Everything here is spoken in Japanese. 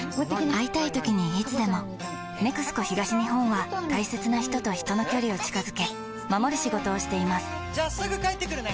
会いたいときにいつでも「ＮＥＸＣＯ東日本」は大切な人と人の距離を近づけ守る仕事をしていますじゃあすぐ帰ってくるね！